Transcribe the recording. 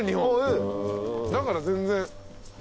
だから全然。